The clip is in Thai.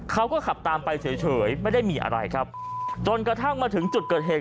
เขาก็ขับตามไปเฉยเฉยไม่ได้มีอะไรครับจนกระทั่งมาถึงจุดเกิดเหตุ